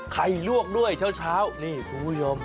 ลวกด้วยเช้านี่คุณผู้ชม